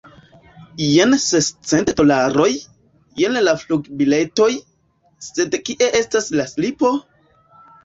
Jen sescent dolaroj, jen la flugbiletoj, sed kie estas la slipo?